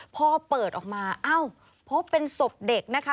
พอเปิดออกมาเอ้าพบเป็นศพเด็กนะคะ